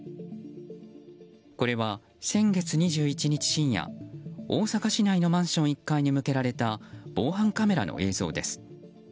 これは先月２１日深夜大阪市内のマンション１階に向けられた防犯カメラの映像です。